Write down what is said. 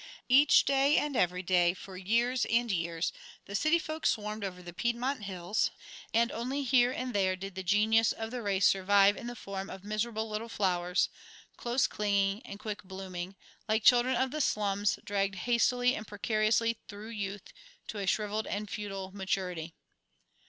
Each day and every day, for years and years, the city folk swarmed over the Piedmont Hills, and only here and there did the genius of the race survive in the form of miserable little flowers, close clinging and quick blooming, like children of the slums dragged hastily and precariously through youth to a shrivelled and futile maturity.